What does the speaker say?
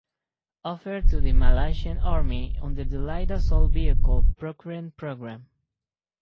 Offered to the Malaysian Army under the light assault vehicle procurement program.